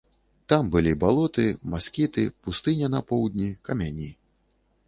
Там былі балоты, маскіты, пустыня на поўдні, камяні.